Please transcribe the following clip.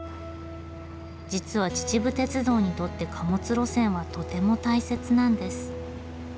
実は秩父鉄道にとって貨物路線はとても大切なんです。